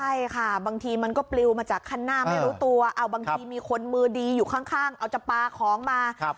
ใช่ค่ะบางทีมันก็ปลิวมาจากคันหน้าไม่รู้ตัวเอาบางทีมีคนมือดีอยู่ข้างเอาจะปลาของมา